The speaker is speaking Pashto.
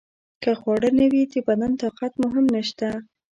که خواړه نه وي د بدن طاقت مو هم نشته.